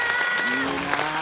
いいなあ。